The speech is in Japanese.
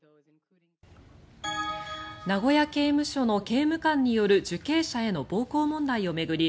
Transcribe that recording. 名古屋刑務所の刑務官による受刑者への暴行問題を巡り